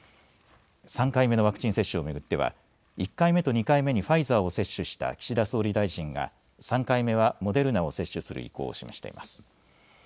３回目のワクチン接種を巡っては１回目と２回目にファイザーを接種した岸田総理大臣が３回目はモデルナを接種する意向を示しています。